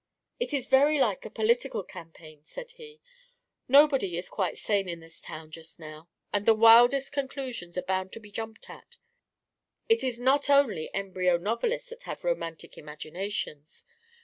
"It is very like a political campaign," said he. "Nobody is quite sane in this town just now, and the wildest conclusions are bound to be jumped at. It is not only embryo novelists that have romantic imaginations.